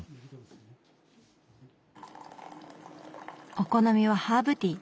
お好みはハーブティー